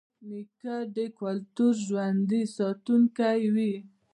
نیکه د کلتور ژوندي ساتونکی وي.